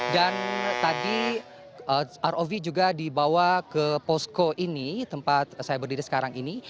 dan tadi rov juga dibawa ke posko ini tempat saya berdiri sekarang ini